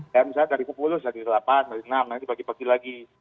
dan misalnya dari kupulus dari delapan dari enam nanti bagi bagi lagi